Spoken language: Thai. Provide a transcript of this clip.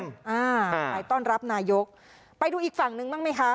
ไปต้อนรับนายกไปดูอีกฝั่งนึงบ้างไหมคะ